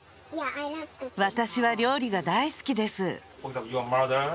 私は料理が大好きです。